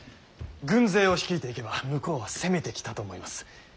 軍勢を率いていけば向こうは攻めてきたと思います。